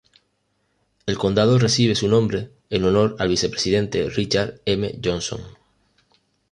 El condado recibe su nombre en honor al Vicepresidente Richard M. Johnson.